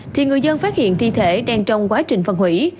thì người dân phát hiện thi thể đang trong quá trình phân hủy